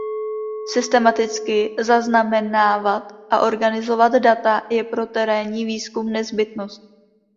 Systematicky zaznamenávat a organizovat data je pro terénní výzkum nezbytnost.